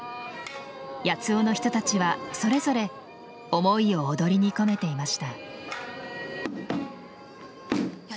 八尾の人たちはそれぞれ思いを踊りに込めていました。